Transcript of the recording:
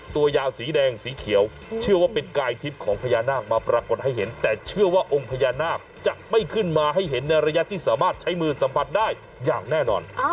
ตัวยาวสีแดงสีเขียวเชื่อว่าเป็นกายทิพย์ของพญานาคมาปรากฏให้เห็นแต่เชื่อว่าองค์พญานาคจะไม่ขึ้นมาให้เห็นในระยะที่สามารถใช้มือสัมผัสได้อย่างแน่นอน